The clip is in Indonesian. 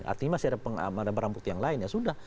artinya masih ada barang bukti yang lain ya sudah